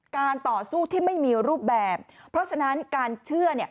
การต่อสู้ที่ไม่มีรูปแบบเพราะฉะนั้นการเชื่อ